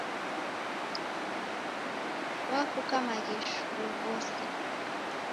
Wakuka maghegho ghose.